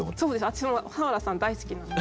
私も俵さん大好きなんで。